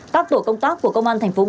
các tổ công tác của công an thành phố buôn ma